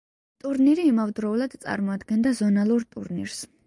ტურნირი იმავდროულად წარმოადგენდა ზონალურ ტურნირს.